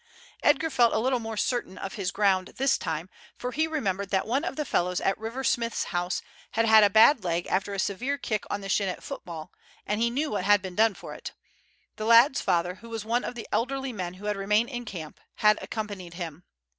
Edgar felt a little more certain of his ground this time, for he remembered that one of the fellows at River Smith's house had had a bad leg after a severe kick on the shin at football, and he knew what had been done for it. The lad's father, who was one of the elderly men who had remained in camp, had accompanied him.